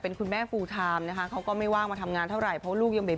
เป็นคุณแม่นะคะเขาก็ไม่ว่างมาทำงานเท่าไรเพราะว่าลูกยัง